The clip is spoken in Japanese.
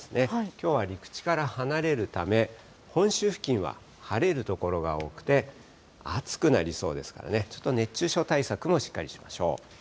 きょうは陸地から離れるため、本州付近は晴れる所が多くて、暑くなりそうですからね、ちょっと熱中症対策もしっかりしましょう。